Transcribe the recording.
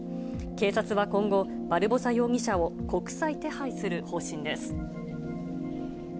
警察は今後、バルボサ容疑者を、国際手配する方針です。